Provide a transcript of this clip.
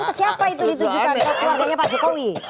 ke siapa itu ditujukan keluarganya pak jokowi